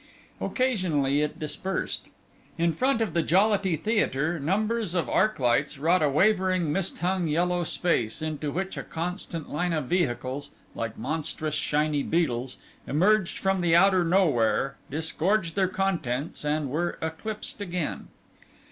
Occasionally it dispersed. In front of the Jollity Theatre numbers of arc lights wrought a wavering mist hung yellow space, into which a constant line of vehicles, like monstrous shiny beetles, emerged from the outer nowhere, disgorged their contents, and were eclipsed again.